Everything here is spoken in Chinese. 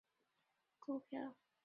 当天现场须购票